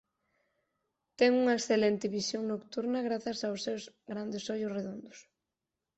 Ten unha excelente visión nocturna grazas aos seus grandes ollos redondos.